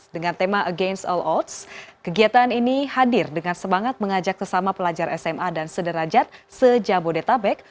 dengan tema against all outs kegiatan ini hadir dengan semangat mengajak sesama pelajar sma dan sederajat se jabodetabek